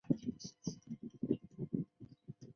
薄荷醇等多种成分有明显的利胆作用。